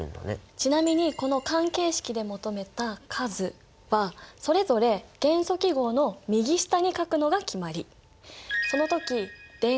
ちなみにこの関係式で求めた数はそれぞれ元素記号の右下に書くのが決まり。